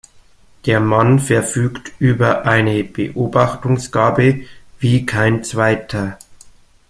Der Mann verfügt über eine Beobachtungsgabe wie kein zweiter.